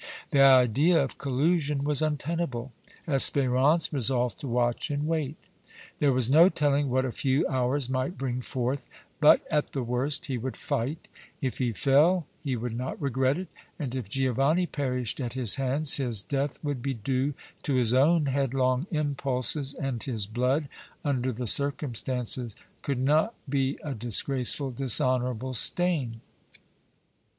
The idea of collusion was untenable. Espérance resolved to watch and wait. There was no telling what a few hours might bring forth; but at the worst he would fight; if he fell he would not regret it, and, if Giovanni perished at his hands, his death would be due to his own headlong impulses and his blood, under the circumstances, could not be a disgraceful, dishonorable stain.